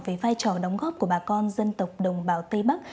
về vai trò đóng góp của bà con dân tộc đồng bào tây bắc